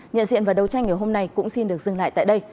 nhận diện và đấu tranh ngày hôm nay cũng xin được dừng lại tại đây